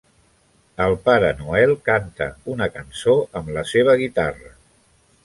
El Pare Noel canta una cançó amb la seva guitarra.